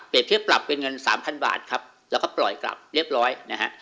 เทียบปรับเป็นเงินสามพันบาทครับแล้วก็ปล่อยกลับเรียบร้อยนะฮะ